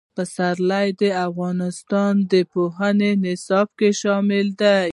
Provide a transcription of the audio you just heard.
پسرلی د افغانستان د پوهنې نصاب کې شامل دي.